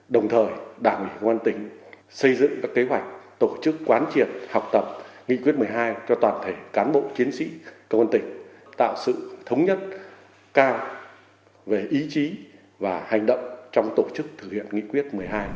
đồng thời đảng ủy công an tỉnh xây dựng các kế hoạch tổ chức quán triệt học tập nghị quyết một mươi hai cho toàn thể cán bộ chiến sĩ công an tỉnh tạo sự thống nhất cao về ý chí và hành động trong tổ chức thực hiện nghị quyết một mươi hai